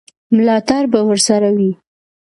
ملاتړ به ورسره وي.